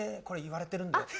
これ言われてるんで。